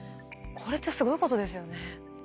これってすごいことですよね。